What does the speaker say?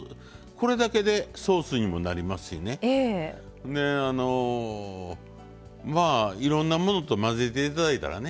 これだけでソースにもなりますしねまあいろんなものと混ぜて頂いたらね。